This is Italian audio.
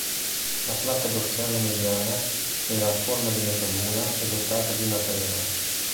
La placca dorsale mediana era a forma di mezzaluna e dotata di una carena.